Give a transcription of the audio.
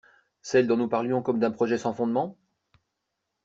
Celles dont nous parlions comme d'un projet sans fondements?